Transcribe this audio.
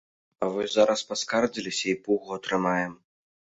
А вось зараз паскардзіліся, і пугу атрымаем.